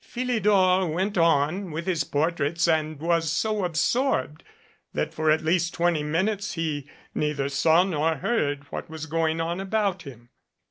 Philidor went on with his portraits and was so absorbed that for at least twenty minutes he neither saw nor heard what was going on about him.